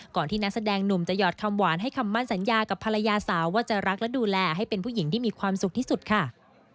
ที่นักแสดงหนุ่มจะหอดคำหวานให้คำมั่นสัญญากับภรรยาสาวว่าจะรักและดูแลให้เป็นผู้หญิงที่มีความสุขที่สุดค่ะ